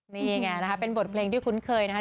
นี่ไงนะคะเป็นบทเพลงที่คุ้นเคยนะครับ